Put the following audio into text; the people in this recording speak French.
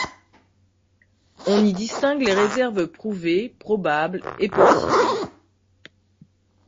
On y distingue les réserves prouvées, probables et possibles.